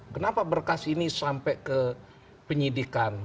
kenapa berkas ini sampai ke penyidikan